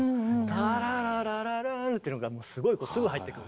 タララララランっていうのがすごいすぐ入ってくる。